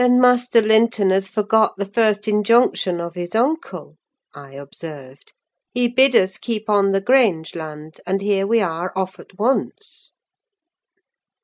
"Then Master Linton has forgot the first injunction of his uncle," I observed: "he bid us keep on the Grange land, and here we are off at once."